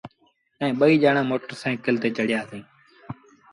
ائيٚݩ ٻئيٚ ڄآڻآن موٽر سآئيٚڪل تي چڙهيآ سيٚݩ۔